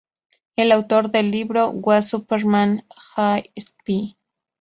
El autor del libro "Was Superman A Spy?